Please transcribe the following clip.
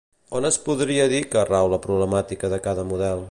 On es podria dir que rau la problemàtica de cada model?